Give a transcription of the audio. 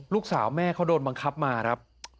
ลูกสาวแม่เขาโดนบังคับมาครับ